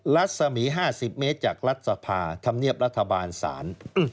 รัศมี๕๐เมตรจากรัฐสภาธรรมเนียบรัฐบาลศาล